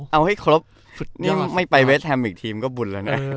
เอาให้ครบไม่ไปเวสแทนมิกส์ทีมก็บุญแล้ว